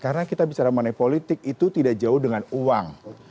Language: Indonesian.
karena kita bicara mengenai politik itu tidak jauh dengan uang